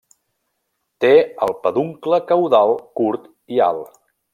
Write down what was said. Té el peduncle caudal curt i alt.